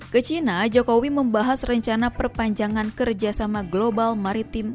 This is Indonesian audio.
ke cina jokowi membahas rencana perpanjangan kerjasama global maritim